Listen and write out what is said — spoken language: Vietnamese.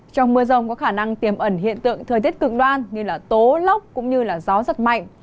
trong mưa rông có khả năng tiềm ẩn hiện tượng thời tiết cực đoan như tố lốc cũng như gió rất mạnh